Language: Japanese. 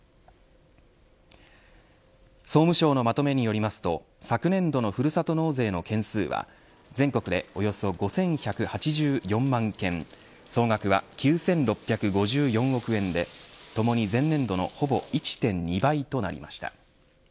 総務省のまとめによりますと昨年度のふるさと納税の件数は全国でおよそ５１８４万件総額は９６５４億円でともに、前年度のほぼ１．２倍となりました。